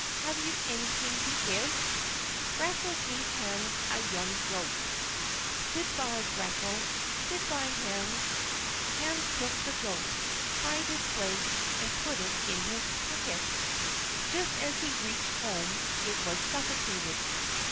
Have you anything to give?" Grethel gave Hans a young goat. "Good by, Grethel." "Good by, Hans." Hans took the goat, tied its legs, and put it in his pocket. Just as he reached home it was suffocated.